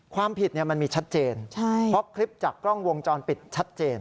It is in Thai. ความผิดมันมีชัดเจนเพราะคลิปจากกล้องวงจรปิดชัดเจน